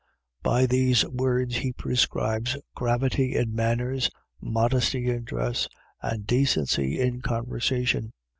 . .by these words he prescribes gravity in manners, modesty in dress, and decency in conversation.